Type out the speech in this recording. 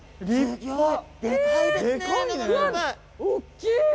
大きい。